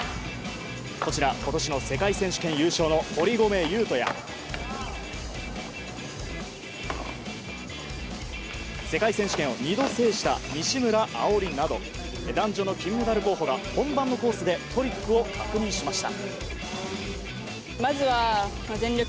こちら今年の世界選手権優勝堀米雄斗や世界選手権を２度制した西村碧莉など男女の金メダル候補が本番のコースでトリックを確認しました。